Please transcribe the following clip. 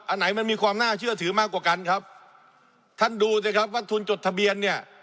อันไหนมันมีความน่าเชื่อถือมากกว่ากันครับท่านดูสิครับว่าทุนจดทะเบียนเนี่ย